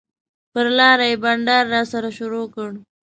پر لاره یې بنډار راسره شروع کړ.